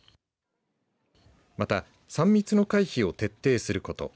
また、３密の回避を徹底すること。